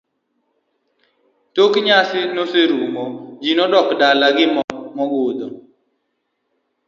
Tok kane nyasi oserumo ji nodok dala gi mor mogundho.